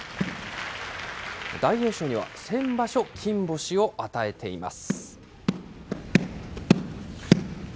大栄翔には先場所、金星を与えています。